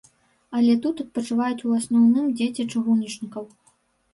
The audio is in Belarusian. Але тут адпачываюць у асноўным дзеці чыгуначнікаў.